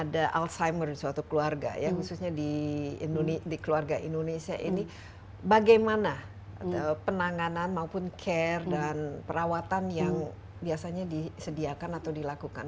demensia ini bagaimana penanganan maupun care dan perawatan yang biasanya disediakan atau dilakukan